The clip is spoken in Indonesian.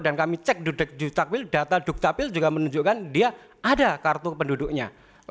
dan kami cek di dukcapil data dukcapil juga menunjukkan dia ada kartu penduduknya